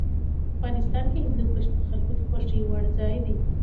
افغانستان کې هندوکش د خلکو د خوښې وړ ځای دی.